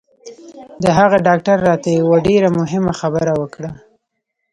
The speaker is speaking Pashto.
د هغه ډاکتر راته یوه ډېره مهمه خبره وکړه